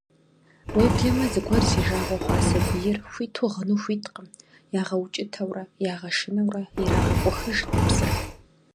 Уеблэмэ зыгуэр зи жагъуэ хъуа сабийр хуиту гъыну хуиткъым, ягъэукӀытэурэ, ягъэшынэурэ ирагъэкъухыж нэпсыр.